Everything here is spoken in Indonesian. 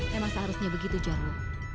seharusnya begitu jarwo